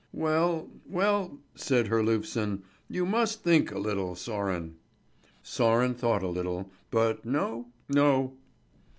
"Well, well," said Herlufsen, "you must think a little, Sören." Sören thought a little but no! no!